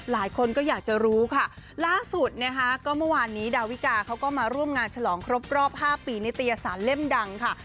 ล่าสุดนะฮะก็เมื่อวานนี้ดาวิกาเขาก็มาร่วมงานฉลองครบ๕ปีในตรียสารเล่มดังค่ะ